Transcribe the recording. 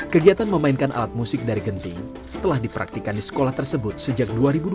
kegiatan memainkan alat musik dari genting telah dipraktikan di sekolah tersebut sejak dua ribu dua belas